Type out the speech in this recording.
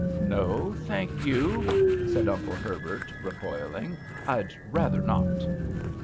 " No, thank you," said Uncle Herbert, recoiling, "I'd rather not."